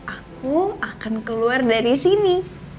aku akan keluar dari sini